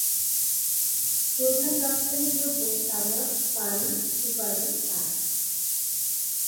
প্রধান রপ্তানি দ্রব্য তামাক, পান, সুপারি, পাট।